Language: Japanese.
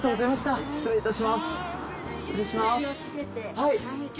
はい。